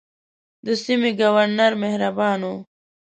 د سیمې ګورنر مهربان وو.